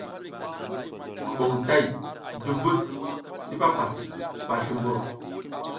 Kuɓom tay duvuɗ ti papas ɓa zlumbur.